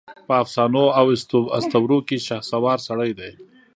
په افسانواواسطوروکې شهسوار سړی دی